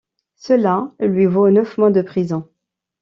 Cela lui vaut neuf mois de prison.